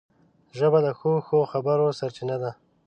ژبه د ښو ښو خبرو سرچینه ده